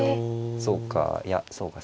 そうかいやそうか